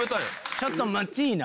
ちょっと待ちいな。